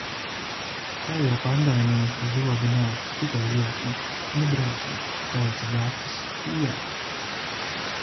Tev jau, pandēmija, zobu nav, tikai ilkņi. "Nu braucam!" teica Gatis. Jā.